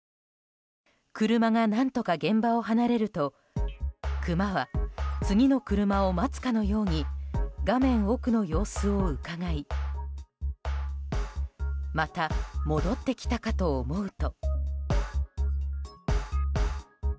車が何とか現場を離れるとクマは次の車を待つかのように画面奥の様子をうかがいまた、戻ってきたかと思うと。